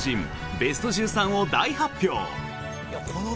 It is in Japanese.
ベスト１３を大発表！